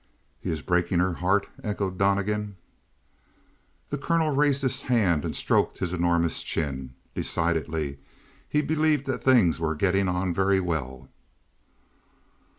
"He is breaking her heart?" echoed Donnegan. The colonel raised his hand and stroked his enormous chin. Decidedly he believed that things were getting on very well.